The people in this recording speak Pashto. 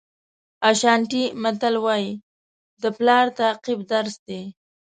اشانټي متل وایي د پلار تعقیب درس دی.